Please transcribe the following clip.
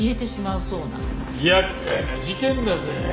厄介な事件だぜ。